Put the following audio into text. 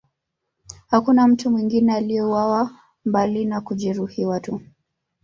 Hakuna mtu mwingine aliyeuawa mbali na kujeruhiwa tu